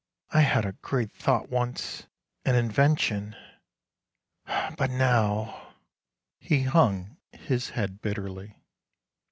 I had a great thought once — an invention — but now —" he hung his head bitterly.